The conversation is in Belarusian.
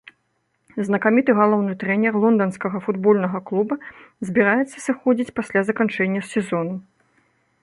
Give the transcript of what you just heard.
Знакаміты галоўны трэнер лонданскага футбольнага клуба збіраецца сыходзіць пасля заканчэння сезону.